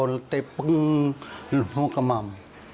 ดูติ๊ปหึหอเปอ่ม